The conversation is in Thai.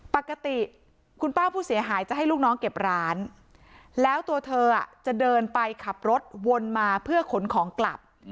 ปกติคุณป้าผู้เสียหายจะให้ลูกน้องเก็บร้านแล้วตัวเธอจะเดินไปขับรถวนมาเพื่อขนของกลับ